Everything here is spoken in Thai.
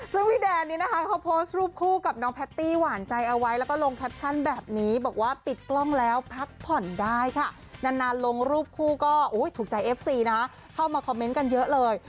ซึ่งพี่แดนนี้นะคะเขาโพสต์รูปคู่กับน้องแพตตี้หวานใจเอาไว้แล้วก็ลงแคปชั่นแบบนี้บอกว่าปิดกล้องแล้วพักผ่อนได้ค่ะนานลงรูปคู่ก็ถูกใจเอฟซีนะเข้ามาคอมเมนต์กันเยอะเลย